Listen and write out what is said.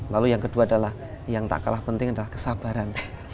lalu yang kedua adalah yang tak kalah penting adalah kesabaran